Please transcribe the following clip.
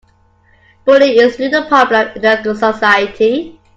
Bullying is still a problem in our society.